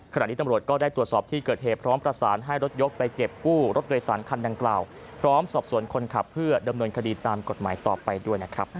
ขณะนี้ตำรวจก็ได้ตรวจสอบที่เกิดเหตุพร้อมประสานให้รถยกไปเก็บกู้รถโดยสารคันดังกล่าวพร้อมสอบสวนคนขับเพื่อดำเนินคดีตามกฎหมายต่อไปด้วยนะครับ